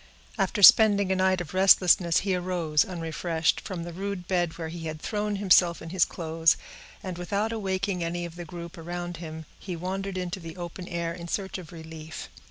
After spending a night of restlessness, he arose, unrefreshed, from the rude bed where he had thrown himself in his clothes, and, without awaking any of the group around him, he wandered into the open air in search of relief.